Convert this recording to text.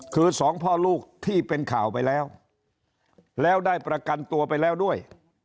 คือสองพ่อลูกที่เป็นข่าวไปแล้วแล้วได้ประกันตัวไปแล้วด้วย